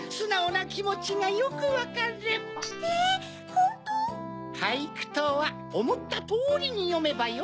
ホント？はいくとはおもったとおりによめばよい。